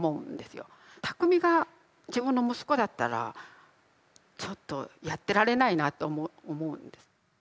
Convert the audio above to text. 巧が自分の息子だったらちょっとやってられないなと思うんです。